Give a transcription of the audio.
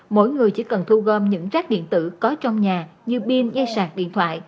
rồi nước mũi cứ hay bị chảy